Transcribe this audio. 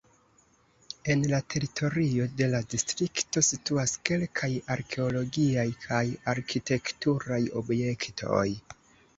En la teritorio de la distrikto situas kelkaj arkeologiaj kaj arkitekturaj objektoj.